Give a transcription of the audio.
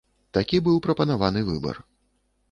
Такі быў прапанаваны выбар.